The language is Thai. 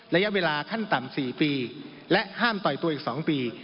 ระยะเวลาขั้นต่ำ๔ปีและห้ามต่อยตัวอีก๒ปี